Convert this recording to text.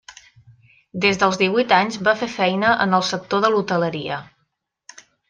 Des dels devuit anys fa fer feina en el sector de l'hoteleria.